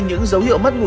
những dấu hiệu mất ngủ